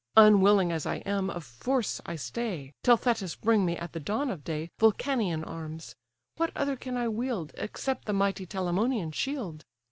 Unwilling as I am, of force I stay, Till Thetis bring me at the dawn of day Vulcanian arms: what other can I wield, Except the mighty Telamonian shield?